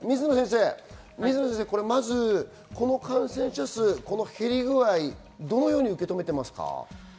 水野先生、この感染者数の減り具合、どのように受け止めていますか？